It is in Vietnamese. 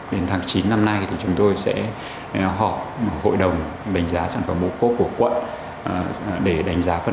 đến tháng chín năm nay thì chúng tôi sẽ họp hội đồng đánh giá sản phẩm ô cốp của quận để đánh giá phân